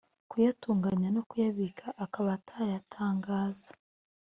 kuyatunganya no kuyabika akaba atayatangaza